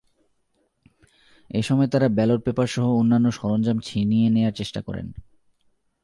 এ সময় তাঁরা ব্যালট পেপারসহ অন্যান্য সরঞ্জাম ছিনিয়ে নেওয়ার চেষ্টা করেন।